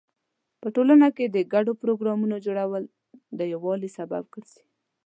په ټولنه کې د ګډو پروګرامونو جوړول د یووالي سبب ګرځي.